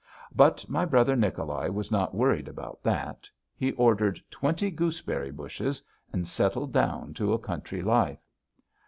But my brother Nicholai was not worried about that; he ordered twenty gooseberry bushes and settled down to a country life.